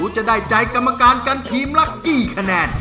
จะได้ใจกรรมการกันทีมละกี่คะแนน